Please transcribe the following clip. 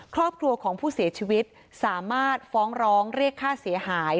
ครอบครัวของผู้เสียชีวิตสามารถฟ้องร้องเรียกค่าเสียหาย